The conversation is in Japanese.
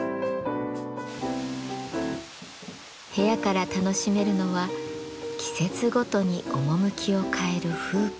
部屋から楽しめるのは季節ごとに趣を変える風景。